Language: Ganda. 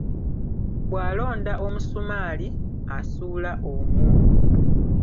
Bw'alonda omusumali, asuula omwo.